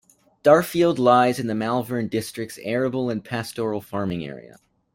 Darfield lies in the Malvern district's arable and pastoral farming area.